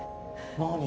何？